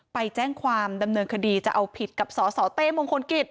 ไปแจ้งความดำเนินคดีจะเอาผิดกับสสเต้มงคลกิจ